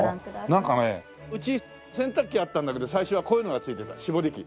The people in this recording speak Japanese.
なんかねうち洗濯機あったんだけど最初はこういうのが付いてた絞り器。